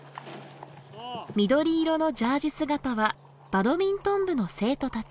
緑色のジャージー姿はバドミントン部の生徒たち。